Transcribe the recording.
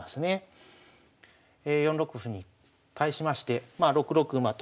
４六歩に対しまして６六馬と。